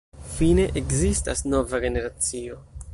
Fine ekzistas nova generacio.